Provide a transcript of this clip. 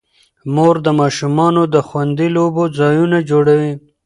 مور د ماشومانو د خوندي لوبو ځایونه جوړوي.